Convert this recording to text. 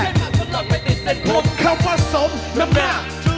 และมีปัญหารอเทรต่างให้แก้